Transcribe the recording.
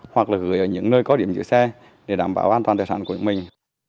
hoặc là gửi ở những nơi có điểm giữ xe để đảm bảo an toàn tài sản của mình